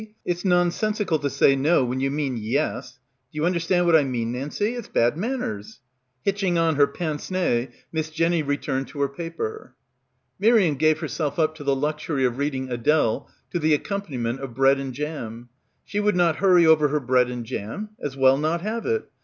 It's nonsensical to say no when you mean yes. D'ye understand what I mean, Nancie. It's bad man ners." Hitching on her pince nez, Miss Jenny returned to her paper. Miriam gave herself up to the luxury of reading Adele to the accompaniment of bread and jam. She would not hurry over her bread and jam. As well not have it.